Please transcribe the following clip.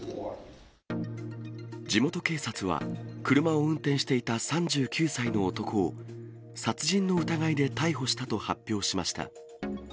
地元警察は、車を運転していた３９歳の男を、殺人の疑いで逮捕したと発表しました。